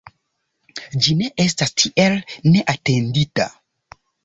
Ĝi ne estas tiel neatendita.